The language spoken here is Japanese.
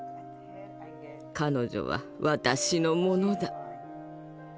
彼女は私のものだ」。